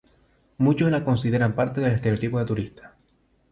Muchos la consideran parte del estereotipo del turista.